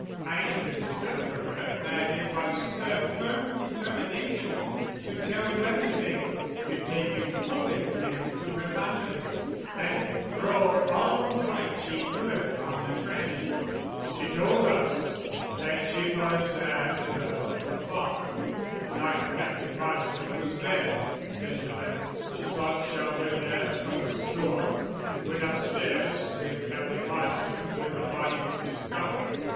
"I understood from her that it was her firm determination to tell you everything to take you fully into her confidence, and throw all the light she could on the tragedy." "She told us that she was at the farm the night Captain Marsland was there," said Gillett. "She sought shelter there from the storm and went upstairs with Captain Marsland when the body was discovered.